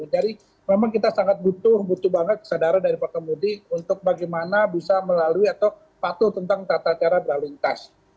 jadi memang kita sangat butuh butuh banget kesadaran dari pak kemudi untuk bagaimana bisa melalui atau patuh tentang tata cara berlalu lintas